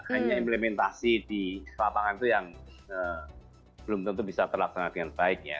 hanya implementasi di lapangan itu yang belum tentu bisa terlaksana dengan baik ya